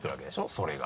それが。